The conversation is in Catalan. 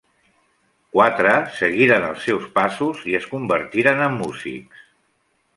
Quatre seguiren els seus passos i es convertiren en músics.